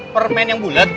permen yang bulet